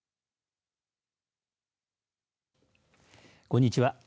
こんにちは。